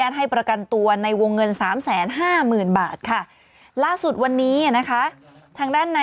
ไทรัทไงคุณ